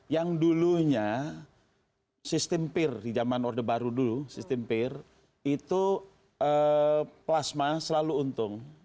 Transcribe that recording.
yang dulunya sistem peer di zaman orde baru dulu sistem peer itu plasma selalu untung